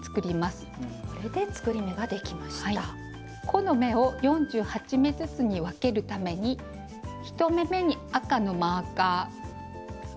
この目を４８目ずつに分けるために１目めに赤のマーカー。